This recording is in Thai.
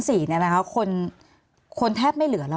มีความรู้สึกว่ามีความรู้สึกว่า